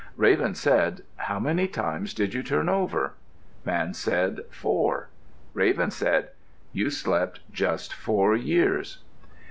Raven said, "How many times did you turn over?" Man said, "Four." Raven said, "You slept just four years."